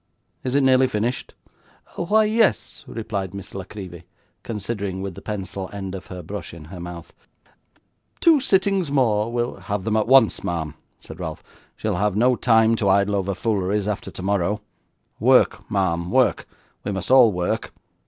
Is it nearly finished?' 'Why, yes,' replied Miss La Creevy, considering with the pencil end of her brush in her mouth. 'Two sittings more will ' 'Have them at once, ma'am,' said Ralph. 'She'll have no time to idle over fooleries after tomorrow. Work, ma'am, work; we must all work.